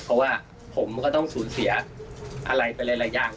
เพราะว่าผมก็ต้องสูญเสียอะไรไปหลายอย่าง